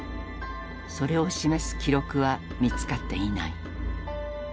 それを示す記録は見つかっていない。